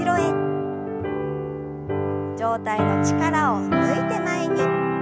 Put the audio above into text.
上体の力を抜いて前に。